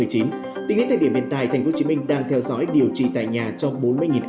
tính đến thời điểm hiện tại tp hcm đang theo dõi điều trị tại nhà cho bốn mươi ca